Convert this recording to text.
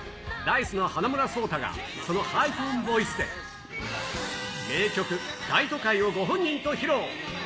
ｉＣＥの花村想太が、そのハイトーンボイスで、名曲、大都会をご本人と披露。